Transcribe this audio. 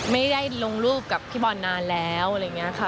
ไม่ได้ลงรูปกับพี่บอลนานแล้วอะไรอย่างนี้ค่ะ